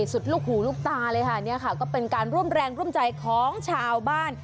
สุดลูกหูลูกตาเลยค่ะเนี่ยค่ะก็เป็นการร่วมแรงร่วมใจของชาวบ้าน